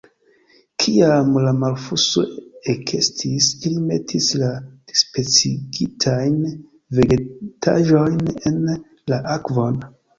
Kiam la malfluso ekestis, ili metis la dispecigitajn vegetaĵojn en la akvon.